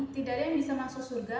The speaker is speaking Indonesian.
tidak ada yang bisa masuk surga